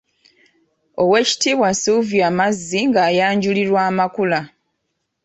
Oweekitiibwa Sylvia Mazzi ng'ayanjulirwa amakula.